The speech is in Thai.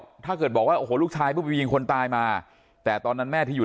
ได้หรอกถ้าเกิดบอกว่าลูกชายมีคนตายมาแต่ตอนนั้นแม่ที่อยู่